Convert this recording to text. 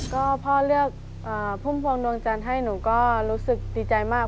ก็พ่อเลือกพุ่มพวงดวงจันทร์ให้หนูก็รู้สึกดีใจมาก